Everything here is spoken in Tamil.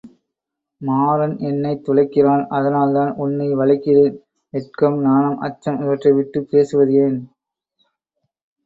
மாரன் என்னைத் துளைக்கிறான் அதனால்தான் உன்னை வளைக்கிறேன் வெட்கம், நாணம், அச்சம் இவற்றை விட்டுப் பேசுவது ஏன்?.